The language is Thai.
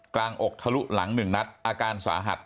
อกทะลุหลัง๑นัดอาการสาหัส